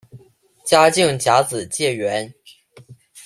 嘉靖甲子解元。